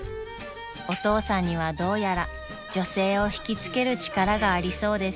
［お父さんにはどうやら女性を引きつける力がありそうです］